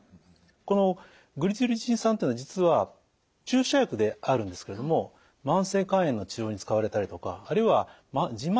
このグリチルリチン酸というのは実は注射薬であるんですけれども慢性肝炎の治療に使われたりとかあるいはじん